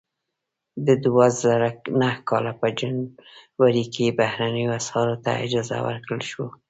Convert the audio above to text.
د دوه زره نهه کال په جنوري کې بهرنیو اسعارو ته اجازه ورکړل شوه.